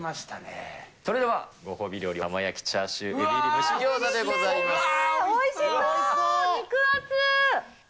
それでは、ご褒美料理、窯焼きチャーシューエビ入り蒸し餃子でございます。